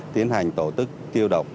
tiến hành tổ tức tiêu độc